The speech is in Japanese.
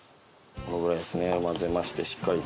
このぐらいですね混ぜましてしっかりと混ぜて。